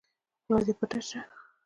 خوله دې پټّ شه!